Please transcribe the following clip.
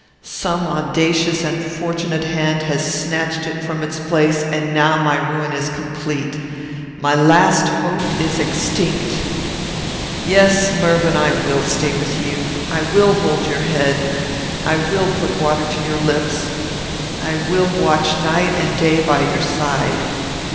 Some audacious and fortunate hand has snatched it from its place, and now my ruin is complete. My last hope is extinct. "Yes, Mervyn! I will stay with you. I will hold your head. I will put water to your lips. I will watch night and day by your side.